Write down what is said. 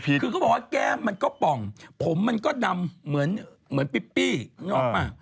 คือเขาบอกว่าแก้มมันก็ป่องผมมันก็ดำเหมือนปิ้นอกป่ะ